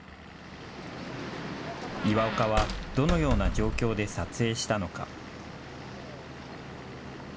岩岡はどのような状況で撮影したのか。